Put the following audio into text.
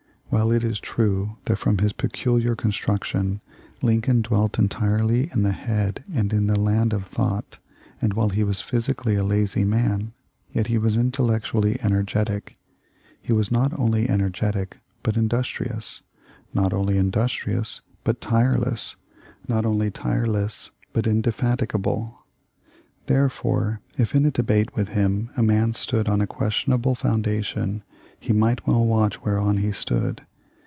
While it is true that from his peculiar construction Lincoln dwelt entirely in the head and in the land of thought, and while he was physically a lazy man, yet he was intellectually energetic; he was not only energetic, but industrious ; not only industrious, but tireless ; not only tireless, but indefatigable. There fore if in debate with him a man stood on a questionable foundation he might well watch where on he stood.